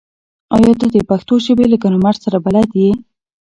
ایا ته د پښتو ژبې له ګرامر سره بلد یې؟